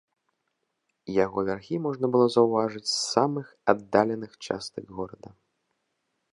Яго вярхі можна было заўважыць з самых аддаленых частак горада.